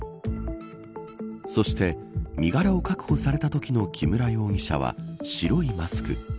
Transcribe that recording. そして身柄を確保されたときの木村容疑者は白いマスク。